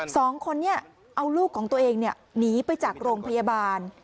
สองคนนี้เอาลูกของตัวเองหนีไปจากโรงพยาบาล